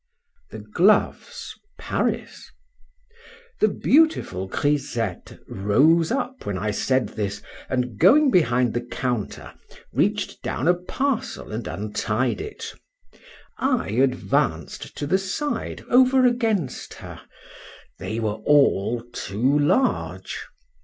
THE GLOVES. PARIS. THE beautiful grisette rose up when I said this, and going behind the counter, reach'd down a parcel and untied it: I advanced to the side over against her: they were all too large.